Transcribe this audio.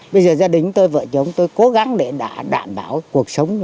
bây giờ gia đình tôi vợ chồng tôi cố gắng để đảm bảo cuộc sống